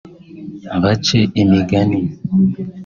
bace imigani